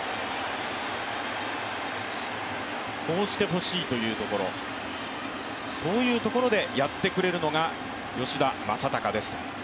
こうしてほしいというところそういうところでやってくれるのが吉田正尚ですと。